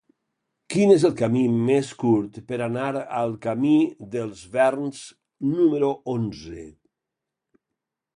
Quin és el camí més curt per anar al camí dels Verns número onze?